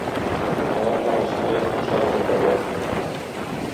Алар арасында якташларыбыз да бар.